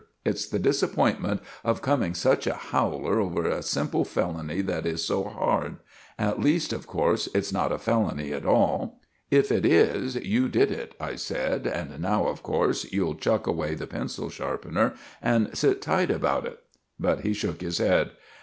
It's the disappointment of coming such a howler over a simple felony that is so hard. At least, of course, it's not a felony at all." "If it is, you did it," I said; "and now of course you'll chuck away the pencil sharpener and sit tight about it?" But he shook his head.